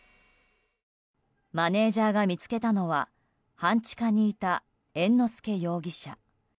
マネジャーが見つけたのは半地下にいた猿之助容疑者。